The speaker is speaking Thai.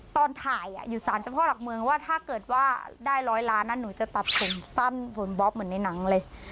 ตอนถ่ายอยู่สารเจ้าพ่อหลักเมืองว่าถ้าเกิดว่าได้ร้อยล้านนะหนูจะตัดผมสั้นบนบ๊อบเหมือนในหนังเลย